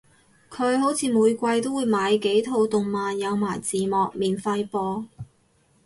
佢好似每季都會買幾套動漫有埋字幕免費播